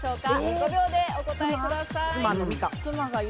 ５秒でお答えください。